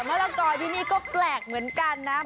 ละกอที่นี่ก็แปลกเหมือนกันนะ